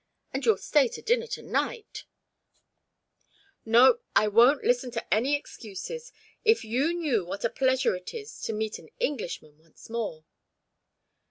And you'll stay to dinner to night no, I won't listen to any excuses. If you knew what a pleasure it is to meet an Englishman once more!"